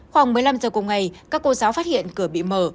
khoảng một mươi năm giờ cùng ngày các cô giáo phát hiện cửa bị mở